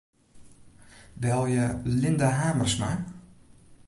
Belje Linda Hamersma.